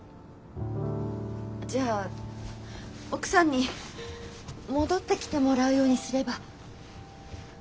じゃあ奥さんに戻ってきてもらうようにすれば。